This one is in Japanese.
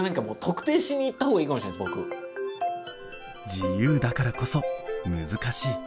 自由だからこそ難しい。